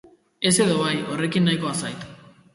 Ez edo bai, horrekin nahikoa zait.